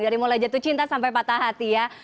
dari mulai jatuh cinta sampai patah hati ya